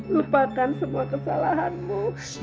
lupakan semua kesalahanmu